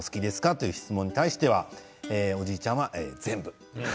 という質問に対してはおじいちゃんは全部。